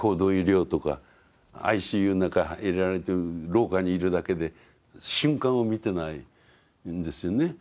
ＩＣＵの中に入れられて廊下にいるだけで瞬間を見てないんですよね。